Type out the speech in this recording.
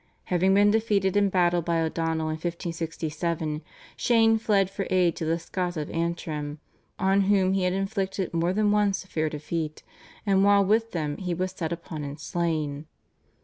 Having been defeated in battle by O'Donnell in 1567, Shane fled for aid to the Scots of Antrim, on whom he had inflicted more than one severe defeat, and while with them he was set upon and slain.